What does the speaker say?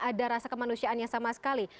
ada rasa kemanusiaan yang sama sekali